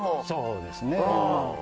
そうですね。